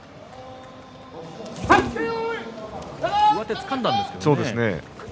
上手、つかんだんですけどね。